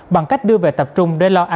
bằng cách đưa về tập trung đối lo